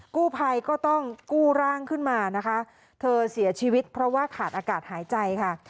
กู้ภัยก็ต้องกู้ร่างขึ้นมานะคะเธอเสียชีวิตเพราะว่าขาดอากาศหายใจค่ะ